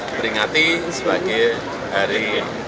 mengingati sebagai hari